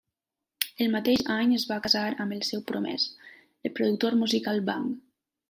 El mateix any es va casar amb el seu promès, el productor musical Bang.